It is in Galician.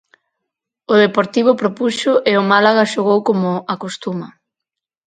O Deportivo propuxo e o Málaga xogou como acostuma.